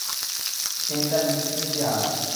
তিনি তার দৃষ্টিশক্তি হারান।